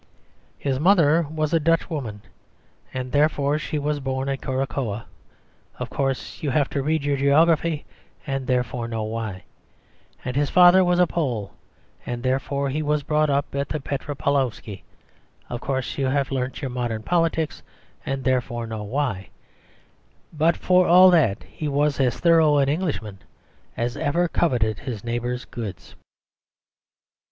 "His mother was a Dutch woman, and therefore she was born at Curaçoa (of course, you have read your geography and therefore know why), and his father was a Pole, and therefore he was brought up at Petropaulowski (of course, you have learnt your modern politics, and therefore know why), but for all that he was as thorough an Englishman as ever coveted his neighbour's goods."